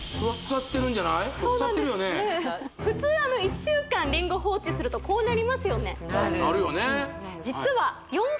腐ってるよね普通１週間リンゴ放置するとこうなりますよねなるよね